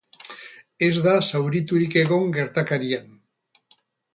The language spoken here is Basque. Ez da zauriturik egon gertakarian.